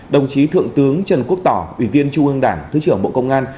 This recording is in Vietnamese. đồng chí thượng tướng trần quốc tỏ ủy viên trung ương đảng thứ trưởng bộ công an